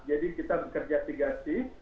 jadi kita bekerja tiga shift